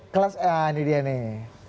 kelas a ini dia nih